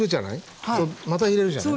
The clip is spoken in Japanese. また入れるじゃない？